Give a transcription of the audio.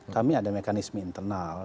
kami ada mekanisme internal